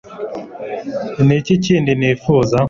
Ni iki kindi nifuza